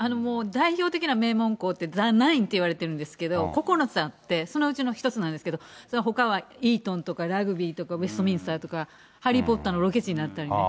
代表的な名門校って、ザ・ナインって言われているんですけれども、９つあって、そのうちの１つなんですけど、ほかはイートンとか、ラグビーとか、ウエストミンスターとか、ハリー・ポッターのロケ地になったりね。